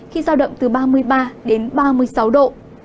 khi giao động từ ba mươi ba đến ba mươi sáu độ